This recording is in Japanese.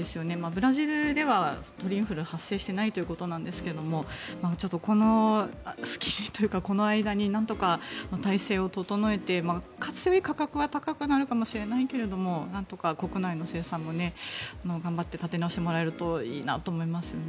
ブラジルでは鳥インフル発生していないということなんですがちょっとこの隙にというかこの間になんとか体制を整えてかつてより価格が高くなるかもしれないけどなんとか国内の生産も頑張って立て直してもらえるといいなと思いますよね。